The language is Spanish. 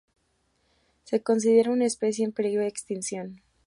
Se considera una especie en peligro de extinción.